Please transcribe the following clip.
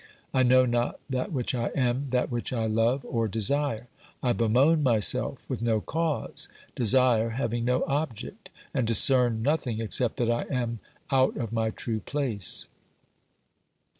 I know not that which I am, that which I love or desire. I bemoan OBERMANN 153 myself with no cause, desire having no object, and dis cern nothing except that I am out of my true place.